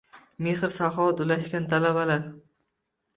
Mehr-saxovat ulashgan talabalar...